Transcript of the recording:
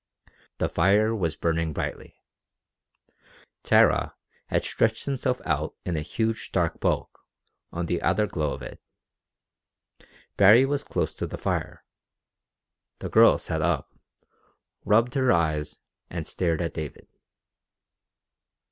The fire was burning brightly. Tara had stretched himself out in a huge, dark bulk in the outer glow of it. Baree was close to the fire. The girl sat up, rubbed her eyes, and stared at David.